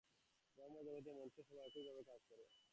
ধর্ম-জগতেও মনুষ্য-স্বভাব একইভাবে কাজ করে।